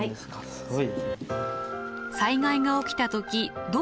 すごい。